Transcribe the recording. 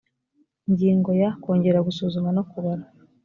ingingo ya kongera gusuzuma no kubara